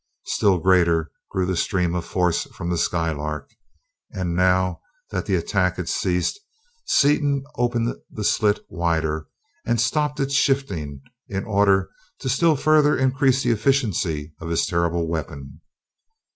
Still greater grew the stream of force from the Skylark, and, now that the attack had ceased, Seaton opened the slit wider and stopped its shifting, in order still further to increase the efficiency of his terrible weapon.